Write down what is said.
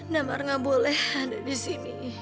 damar gak boleh ada di sini